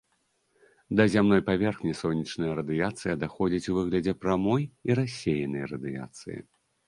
Да зямной паверхні сонечная радыяцыя даходзіць у выглядзе прамой і рассеянай радыяцыі.